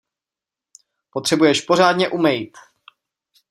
Potřebuješ pořádně umejt!